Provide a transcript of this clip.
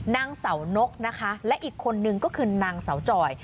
นางเสานกนะคะและอีกคนนึงก็คือนางเสาจอย